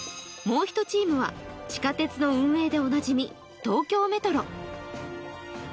もう１チームは地下鉄の運営でおなじみ、東京メトロ。